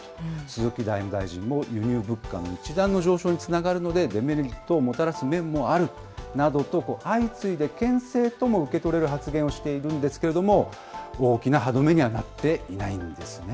鈴木財務大臣も、輸入物価の一段の上昇につながるので、デメリットをもたらす面もあるなどと、相次いでけん制とも受け取れる発言をしているんですけれども、大きな歯止めにはなっていないんですね。